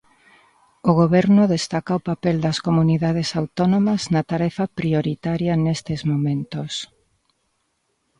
O Goberno destaca o papel das comunidades autónomas na tarefa prioritaria nestes momentos.